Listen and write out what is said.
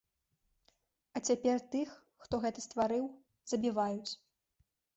А цяпер тых, хто гэта стварыў, забіваюць.